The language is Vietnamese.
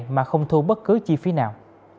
mà không thu bất cứ chi phí nào